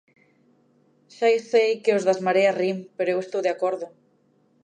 Xa sei que os das Mareas rin, pero eu estou de acordo.